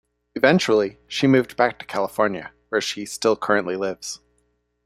Eventually, she moved back to California, where she still currently lives.